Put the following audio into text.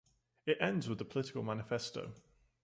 It ends with a political manifesto.